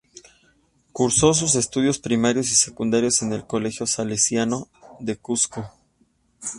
Cursó sus estudios primarios y secundarios en el Colegio Salesiano del Cusco.